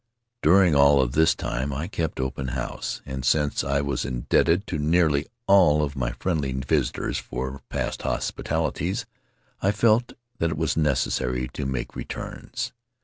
During all of this time I kept open house, and since I was indebted to nearly all of my friendly visitors for past hospitalities I felt that it was necessary to make returns.